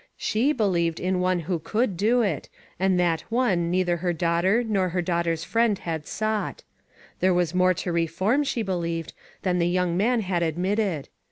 She believed in One who could do it, and that One neither her daughter, nor her daughter's friend had sought. There was more to reform, she believed, than the young man had admitted.